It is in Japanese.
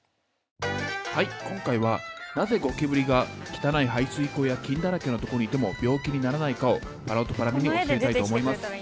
はい今回はなぜゴキブリが汚い排水溝や菌だらけのとこにいても病気にならないかをぱらおとぱらみに教えたいと思います。